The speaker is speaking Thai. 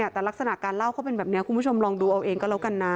แต่ลักษณะการเล่าเขาเป็นแบบนี้คุณผู้ชมลองดูเอาเองก็แล้วกันนะ